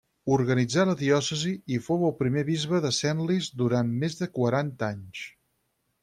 Organitzà la diòcesi i fou el primer bisbe de Senlis durant més de quaranta anys.